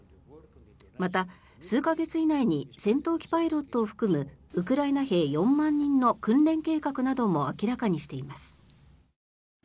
また、数か月以内に戦闘機パイロットを含むウクライナ兵４万人の訓練計画なども明らかにしています。